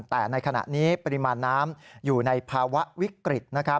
แต่ในขณะนี้ปริมาณน้ำอยู่ในภาวะวิกฤตนะครับ